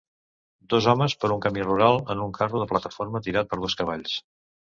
Dos homes per un camí rural en un carro de plataforma tirat per dos cavalls.